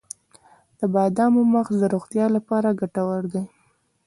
د بادامو مغز د روغتیا لپاره ګټور دی.